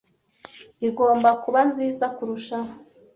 igomba kuba nziza kurushaho